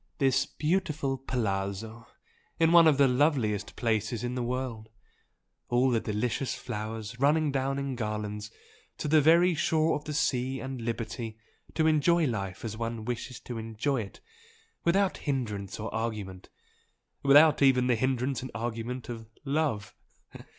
This beautiful 'palazzo,' in one of the loveliest places in the world all the delicious flowers running down in garlands to the very shore of the sea and liberty to enjoy life as one wishes to enjoy it, without hindrance or argument without even the hindrance and argument of love!"